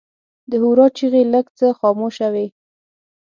د هورا چیغې لږ څه خاموشه وې.